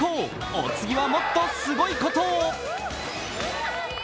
お次はもっとすごいことを。